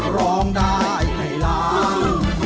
ร้องได้ให้ล้าน